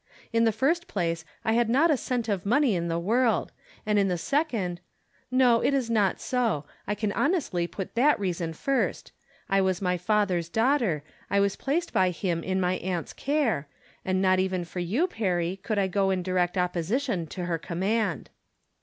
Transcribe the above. In the first place, I had not a cent of money in the world ; and in the second — no, it is not so ; I can honestly put that reason first — I was my father's daughter, I was placed by him in my aunt's care ; and not 5^ From Different Standpoints. even for you, Perry, could I go in direct oppo sition to her command.